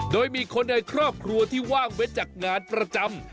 โดยมีคนในครอบครัวที่ว่างไว้จากงานประจำ